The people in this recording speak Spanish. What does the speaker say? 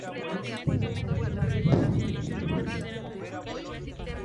Estos dos últimos no pueden ser legisladores.